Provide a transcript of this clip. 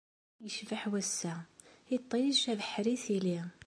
I yecbeḥ wass-a! Iṭij, abeḥri, tili.